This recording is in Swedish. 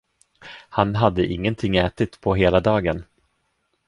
Han hade ingenting ätit på hela dagen.